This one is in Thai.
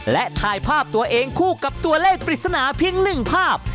และถ่ายภาพตัวเองคู่กับตัวเลขปริศนาเพียง๑ภาพ